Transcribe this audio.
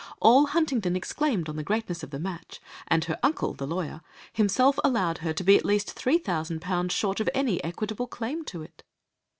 All Huntingdon exclaimed on the greatness of the match; and her uncle, the lawyer, himself, allowed her to be at least three thousand pounds short of any equitable claim to it."